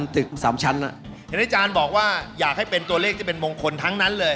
เห็นอาจารย์บอกว่าอยากให้เป็นตัวเลขที่เป็นมงคลทั้งนั้นเลย